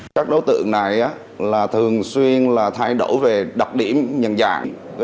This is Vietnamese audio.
các đối tượng này thường xuyên thay đổi về đặc điểm nhận dạng